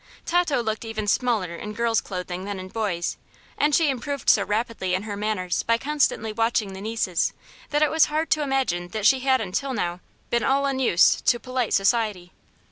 Tato looked even smaller in girls' clothing than in boys', and she improved so rapidly in her manners by constantly watching the nieces that it was hard to imagine she had until now been all unused to polite society.